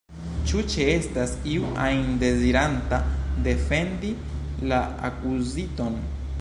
Ĉu ĉeestas iu ajn deziranta defendi la akuziton?